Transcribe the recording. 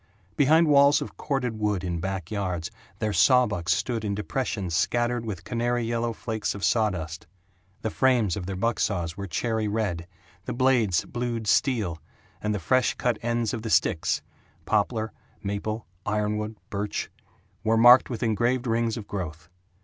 Behind walls of corded wood in back yards their sawbucks stood in depressions scattered with canary yellow flakes of sawdust. The frames of their buck saws were cherry red, the blades blued steel, and the fresh cut ends of the sticks poplar, maple, iron wood, birch were marked with engraved rings of growth.